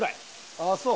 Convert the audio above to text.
ああそう。